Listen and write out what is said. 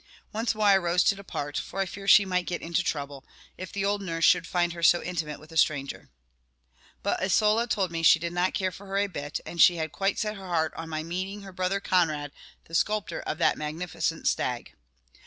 Once more I rose to depart, for I feared she might get into trouble, if the old nurse should find her so intimate with a stranger. But Isola told me that she did not care for her a bit, and she had quite set her heart on my meeting her brother Conrad, the sculptor of that magnificent stag.